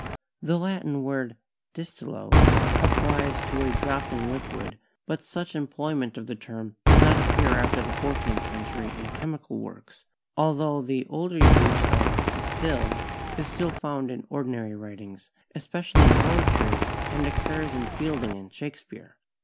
The Latin word "distillo" applies to a dropping liquid, but such em ployment of the term does not appear after the fourteenth century in chemical works, altho the older use of "distil" is still found in ordinary writings, especially in poetry, and occurs in Fielding and Shakespeare.